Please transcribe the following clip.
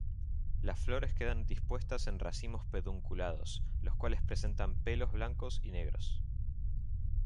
Las flores quedan dispuestas en racimos pedunculados, los cuales presentan pelos blancos y negros.